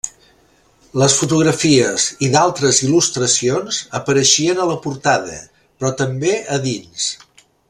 Les fotografies i d'altres il·lustracions apareixien a la portada, però també a dins.